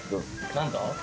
何だ？